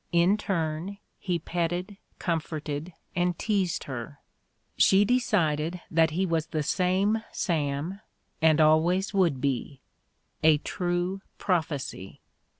In turn, he petted, comforted and teased her. She decided that he was the 'same Sam, and always would be — a true prophecy."